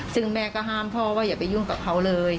ซึ่งแม่ก็ห้ามพ่อว่าอย่าไปยุ่งกับเขาเลย